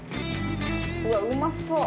うわっうまそう！